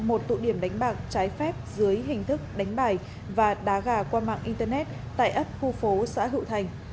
một tụ điểm đánh bạc trái phép dưới hình thức đánh bài và đá gà qua mạng internet tại ấp khu phố xã hữu thành